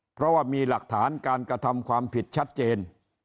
เพราะว่ามีหลักฐานการกระทำความผิดชัดเจน